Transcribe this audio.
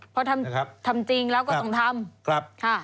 พอทำจริงแล้วก็ต้องทำ